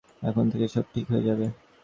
এখন থেকে সব ঠিক হয়ে যাবে।